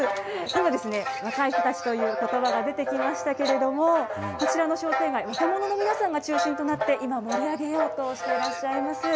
では、若い人たちということばが出てきましたけれども、こちらの商店街、若者の皆さんが中心となって、今、盛り上げようとしていらっしゃいます。